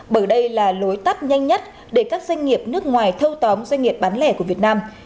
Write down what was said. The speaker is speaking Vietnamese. bởi đây là lối tắt nhanh nhất để các doanh nghiệp nước ngoài thâu tóm doanh nghiệp bán lẻ của việt nam